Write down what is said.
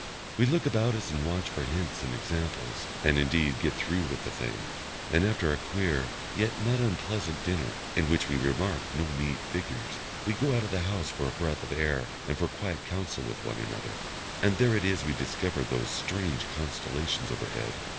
We look about us and watch for hints and examples, and, indeed, get through with the thing. And after our queer, yet not unpleasant, dinner, in which we remark no meat figures, we go out of the house for a breath of air and for quiet counsel one with another, and there it is we discover those strange constellations overhead.